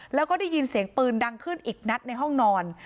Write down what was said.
แล้วก็ได้ยินเสียงปืนดังขึ้นอีกนัดในห้องนอน